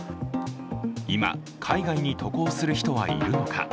今、海外に渡航する人はいるのか。